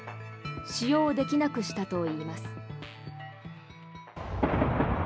使用できなくしたといいます。